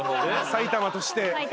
埼玉として。